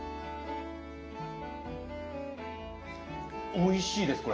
おいしいですこれ。